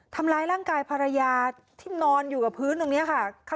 ทำร้ายร่างกายภรรยาที่นอนอยู่กับพื้นตรงนี้ค่ะ